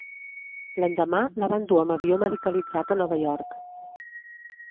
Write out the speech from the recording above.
L'endemà la van dur amb avió medicalitzat a Nova York.